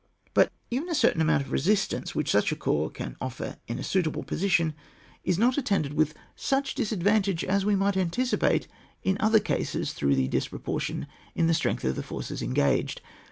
But even a certain amount of resistance which such a corps can ofler in a suitable position is not attended with such dis advantage as we might anticipate in other cases through the disproportion in the strength of the forces engaged.